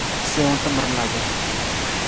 Siwung tamar lapa.